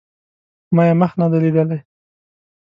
ما یې مخ نه دی لیدلی